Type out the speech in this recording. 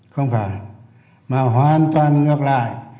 không phải mà hoàn toàn ngược lại